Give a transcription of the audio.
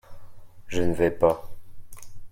Je ne vais pas.